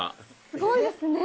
すごいですね！